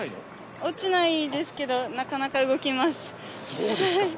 落ちないんですけどなかなか動きます。